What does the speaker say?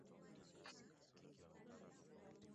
abelset alikuwa alisaidia sana kuwaokoa abiriwa wengine